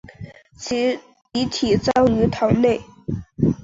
其遗体葬于堂内。